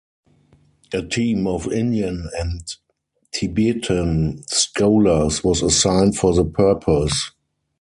A team of Indian and Tibetan scholars was assigned for the purpose.